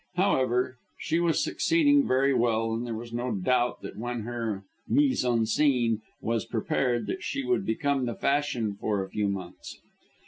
However, she was succeeding very well, and there was no doubt that when her mise en scene was prepared that she would become the fashion for a few months.